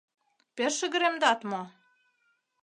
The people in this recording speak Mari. Пеш шыгыремдат мо?